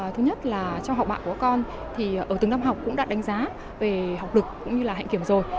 thứ nhất là cho học bạn của con thì ở từng năm học cũng đã đánh giá về học lực cũng như là hạnh kiểm rồi